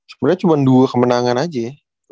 sebenarnya cuma dua kemenangan aja ya